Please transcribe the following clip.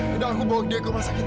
udah aku bawa dia ke rumah sakit